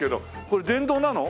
これ電動なの？